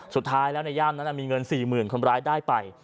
สุดท้ายแล้วในย่านนั้นมีเงิน๔๐๐๐คนร้ายได้ไป